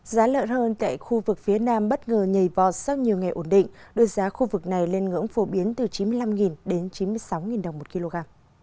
giá lợn hơn tại khu vực phía nam bất ngờ nhảy vọt sau nhiều ngày ổn định đưa giá khu vực này lên ngưỡng phổ biến từ chín mươi năm đến chín mươi sáu đồng một kg